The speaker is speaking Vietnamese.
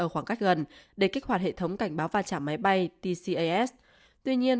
ở khoảng cách gần để kích hoạt hệ thống cảnh báo và trả máy bay tcas tuy nhiên